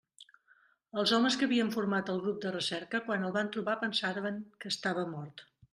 Els homes que havien format el grup de recerca, quan el van trobar pensaren que estava mort.